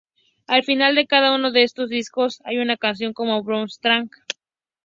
Al final de cada uno de estos discos, hay una canción como bonus track.